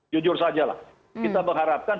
jujur saja lah kita mengharapkan